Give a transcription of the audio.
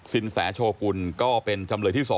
แสโชกุลก็เป็นจำเลยที่๒